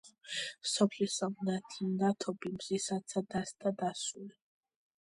სოფლისა მნათი მნათობი, მზისაცა დასთა დასული;